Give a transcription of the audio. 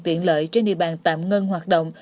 tiện lợi trên địa bàn tạm ngân hoạt động